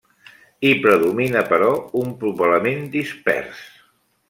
Hi predomina, però, un poblament dispers.